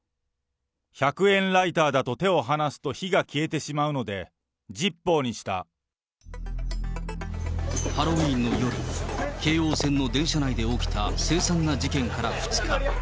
１００円ライターだと手を離すと火が消えてしまうので、ジッポーハロウィーンの夜、京王線の電車内で起きた凄惨な事件から２日。